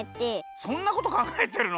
そんなことかんがえてるの？